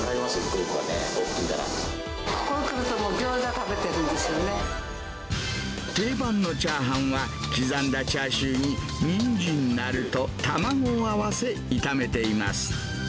ここへ来るともう、ギョーザ定番のチャーハンは、刻んだチャーシューににんじん、なると、卵を合わせ、炒めています。